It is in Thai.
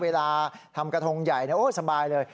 เวลาทำกระทงใหญ่สบายเลย